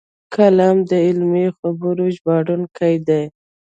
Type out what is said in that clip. قلم د علمي خبرو ژباړونکی دی